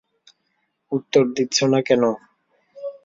উত্তর দিচ্ছো না কেন?